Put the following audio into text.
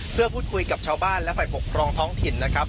เพื่อพูดคุยกับชาวบ้านและฝ่ายปกครองท้องถิ่นนะครับ